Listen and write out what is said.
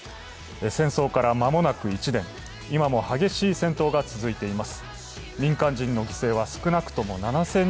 戦争から間もなく１年、今も激しい戦闘が続いています。